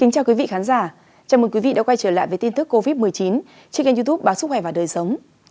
chào mừng quý vị đã quay trở lại với tin tức covid một mươi chín trên kênh youtube báo sức khỏe và đời sống